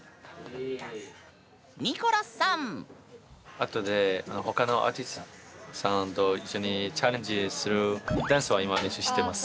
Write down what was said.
あとで他のアーティストさんと一緒にチャレンジするダンスを今練習してます。